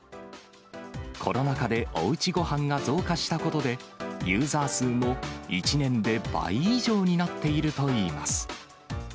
コロナ禍でおうちごはんが増加したことでユーザー数も１年で倍以上になっているといいます。